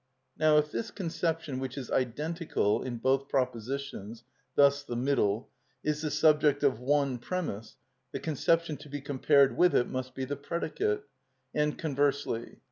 Now if this conception which is identical in both propositions, thus the middle, is the subject of one premiss, the conception to be compared with it must be the predicate, and conversely.